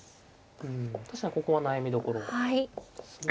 うん確かにここは悩みどころですね。